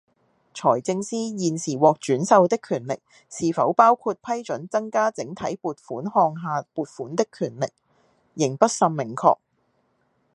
財政司現時獲轉授的權力是否包括批准增加整體撥款項下撥款的權力，仍不甚明確